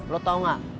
lo tau gak